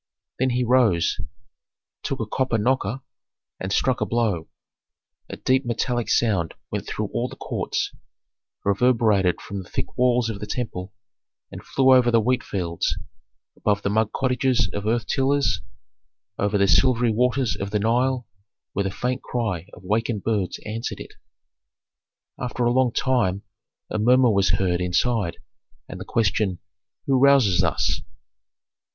Then he rose, took a copper knocker, and struck a blow. A deep metallic sound went through all the courts, reverberated from the thick walls of the temple, and flew over the wheat fields, above the mud cottages of earth tillers, over the silvery waters of the Nile, where the faint cry of wakened birds answered it. After a long time a murmur was heard inside, and the question, "Who rouses us?"